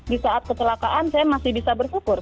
di saat kecelakaan saya masih bisa bersyukur